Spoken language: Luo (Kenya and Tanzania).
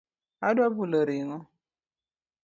Adwaro bulo ring'o.